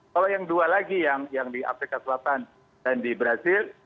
kalau yang dua lagi yang di afrika selatan dan di brazil